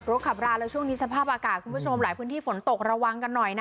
ขับราแล้วช่วงนี้สภาพอากาศคุณผู้ชมหลายพื้นที่ฝนตกระวังกันหน่อยนะ